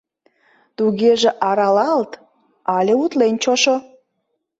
Тугеже аралалт але утлен чошо!